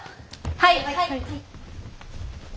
はい！